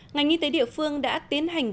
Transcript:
ngành y tế địa phương đã tiến hành